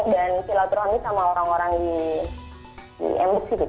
dan filatroni sama orang orang di mbc gitu